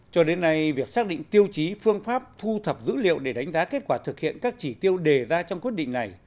cho đến nay việc xác định tiêu chí phương pháp thu thập dữ liệu để đánh giá kết quả thực hiện các chỉ tiêu đề ra trong quyết định này